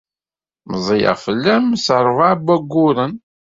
Meẓẓiyeɣ fell-am s ṛebɛa n wayyuren.